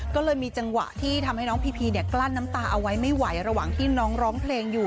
ก็เลยมีจังหวะที่ทำให้น้องพีพีเนี่ยกลั้นน้ำตาเอาไว้ไม่ไหวระหว่างที่น้องร้องเพลงอยู่